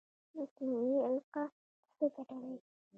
مصنوعي القاح څه ګټه لري؟